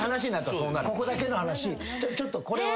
ここだけの話ちょっとこれは。